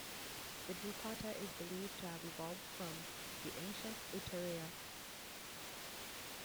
The dupatta is believed to have evolved from the ancient Uttariya.